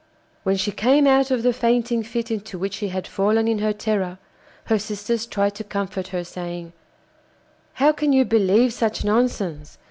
When she came out of the fainting fit into which she had fallen in her terror, her sisters tried to comfort her, saying: 'How can you believe such nonsense?